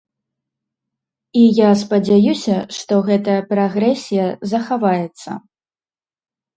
І я спадзяюся, што гэтая прагрэсія захаваецца.